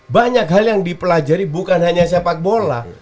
banyak hal yang dipelajari bukan hanya sepak bola